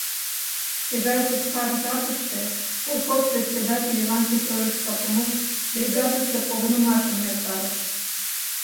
Тыгай туткар жапыште колхоз председатель, Иван Петрович Сапунов, бригадысе погынымашым эртарыш.